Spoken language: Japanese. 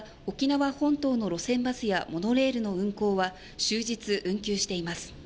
沖縄本島の路線バスやモノレールの運行は終日、運休しています。